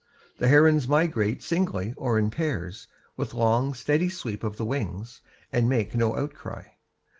The herons migrate singly or in pairs, with long, steady sweep of the wings, and make no outcry.